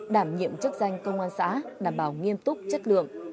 đảm nhiệm chức danh công an xã đảm bảo nghiêm túc chất lượng